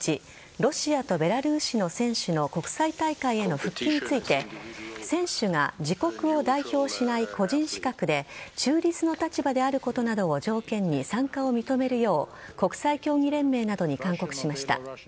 ロシアとベラルーシの選手の国際大会への復帰について選手が自国を代表しない個人資格で中立の立場であることなどを条件に参加を認めるよう国際競技連盟などに勧告しました。